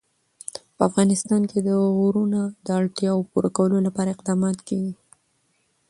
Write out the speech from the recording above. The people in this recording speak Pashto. په افغانستان کې د غرونه د اړتیاوو پوره کولو لپاره اقدامات کېږي.